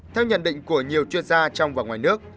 theo nhận định của nhiều chuyên gia trong và ngoài nước